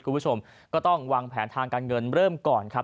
คุณผู้ชมก็ต้องวางแผนทางการเงินเริ่มก่อนครับ